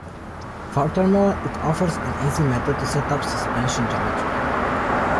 Furthermore, it offers an easy method to set suspension geometry.